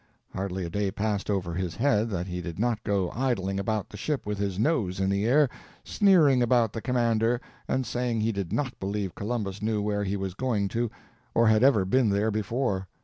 Hardly a day passed over his head that he did not go idling about the ship with his nose in the air, sneering about the commander, and saying he did not believe Columbus knew where he was going to or had ever been there before.